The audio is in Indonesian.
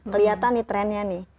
kelihatan nih trendnya nih